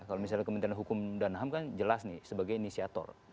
kalau misalnya kementerian hukum dan ham kan jelas nih sebagai inisiator